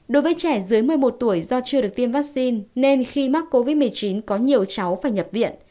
đối với trẻ dưới một mươi một tuổi do chưa được tiêm vaccine nên khi mắc covid một mươi chín có nhiều cháu phải nhập viện